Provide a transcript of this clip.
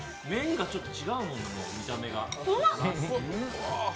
麺がちょっと違う、もう見た目が。